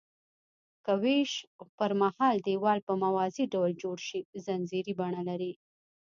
که ویش پرمهال دیوال په موازي ډول جوړ شي ځنځیري بڼه لري.